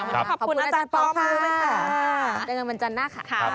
ค่ะขอบคุณอาจารย์พร้อมมากเลยค่ะครับ